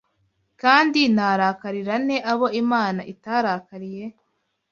Kandi narakarira nte abo Imana itarakariye